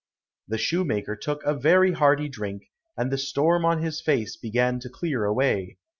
The shoemaker took a very hearty drink, and the storm on his face began to clear away.